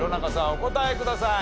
お答えください。